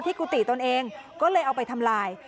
กุฏิตนเองก็เลยเอาไปทำลาย